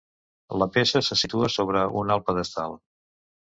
La peça se situa sobre un alt pedestal.